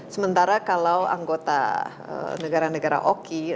sementara kalau anggota negara negara oki